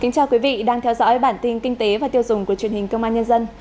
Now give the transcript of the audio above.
chào mừng quý vị đến với bản tin kinh tế và tiêu dùng của truyền hình công an nhân dân